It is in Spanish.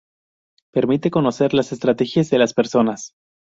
Permite conocer las estrategias de las personas.